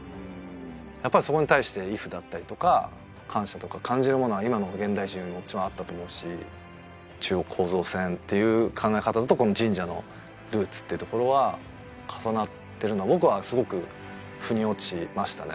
やっぱりそこに対して畏怖だったりとか感謝とか感じるものは今の現代人よりももちろんあったと思うし中央構造線っていう考え方とこの神社のルーツっていうところは重なってるの僕はすごくふに落ちましたね